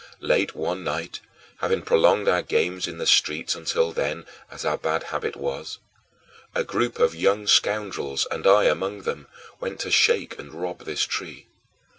Late one night having prolonged our games in the streets until then, as our bad habit was a group of young scoundrels, and I among them, went to shake and rob this tree.